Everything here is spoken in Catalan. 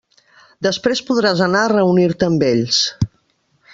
Després podràs anar a reunir-te amb ells.